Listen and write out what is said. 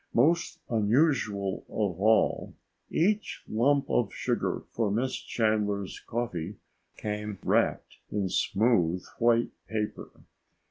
Most unusual of all, each lump of sugar for Miss Chandler's coffee came wrapped in smooth white paper.